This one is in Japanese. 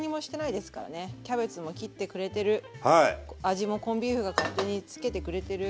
味もコンビーフが勝手につけてくれてる。